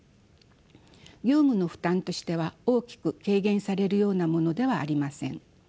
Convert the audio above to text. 業務の負担としては大きく軽減されるようなものではありません。